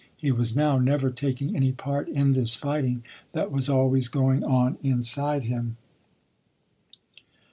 He was now never taking any part in this fighting that was always going on inside him.